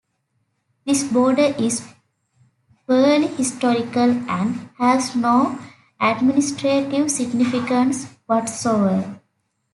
This border is purely historical and has no administrative significance whatsoever.